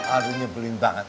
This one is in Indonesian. aldo nyebelin banget